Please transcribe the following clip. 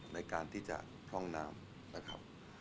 ในการที่จะพร่องน้ำนะครับ